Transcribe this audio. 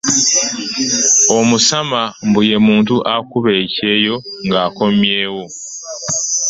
Omusama mbu ye muntu akuba ekyeyo ng'akomyewo.